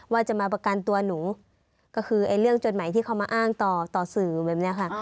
ว่าจะมาประกันตัวหนูก็คือเรื่องจดหมายที่เขามาอ้างต่อต่อสื่อแบบนี้ค่ะ